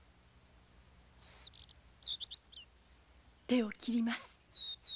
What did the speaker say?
手を切ります。